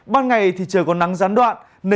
ban ngày thì trời còn nắng gián đoạn